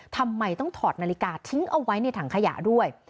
ทำไมต้องถอดนาฬิกาทิ้งเอาไว้ในถังขยะด้วย